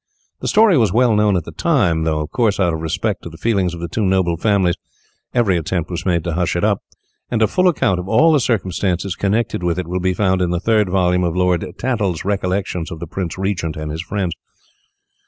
The story was well known at the time, though, of course, out of respect to the feelings of the two noble families, every attempt was made to hush it up, and a full account of all the circumstances connected with it will be found in the third volume of Lord Tattle's Recollections of the Prince Regent and his Friends.